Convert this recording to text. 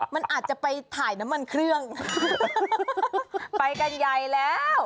มันอาจจะไปถ่ายน้ำมันเครื่องไปกันใหญ่แล้ว